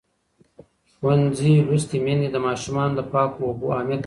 ښوونځې لوستې میندې د ماشومانو د پاکو اوبو اهمیت پېژني.